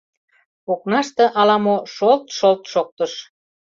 Окнаште ала-мо шолт-шолт шоктыш.